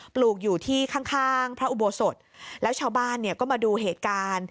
ปลูกอยู่ที่ข้างข้างพระอุโบสถแล้วชาวบ้านเนี่ยก็มาดูเหตุการณ์